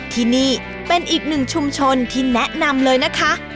ที่นี่เป็นอีกหนึ่งชุมชนที่แนะนำเลยนะคะ